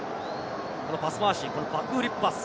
このパス回し、バックフリックパス。